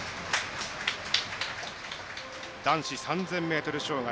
男子３０００ｍ障害。